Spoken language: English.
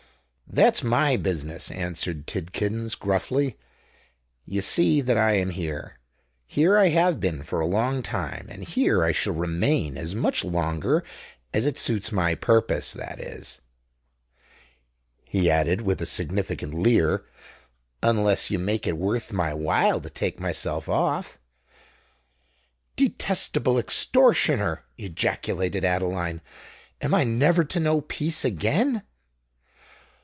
"That's my business," answered Tidkins, gruffly. "You see that I am here:—here I have been for a long time—and here I shall remain as much longer as it suits my purpose. That is," he added, with a significant leer, "unless you make it worth my while to take myself off." "Detestable extortioner!" ejaculated Adeline: "am I never to know peace again?"